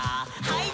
はい。